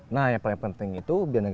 nah yang paling penting itu biaya